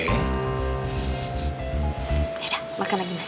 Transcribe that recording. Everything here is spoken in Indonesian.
udah makan lagi mas